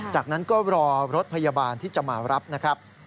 จากนั้นก็รอรถพยาบาลที่จะมารับนะครับ